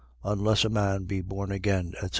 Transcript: Unless a man be born again, etc.